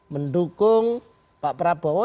mendukung pak prabowo